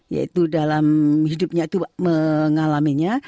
yaitu dalam hidupnya itu mengalaminya